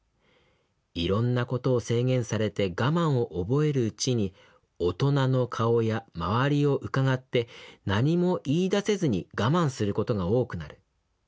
いろんなことを制限されて我慢を覚えるうちに大人の顔や周りをうかがって何も言いだせずに我慢することが多くなる。